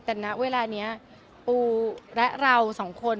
แต่ณเวลานี้ปูและเราสองคน